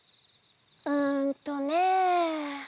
うんとね。